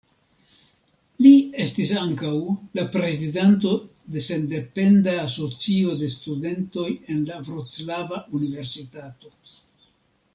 Li estis ankaŭ la prezidanto de Sendependa Asocio de Studentoj en la Vroclava Universitato.